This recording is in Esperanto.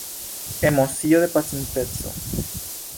Emocio de pasinteco.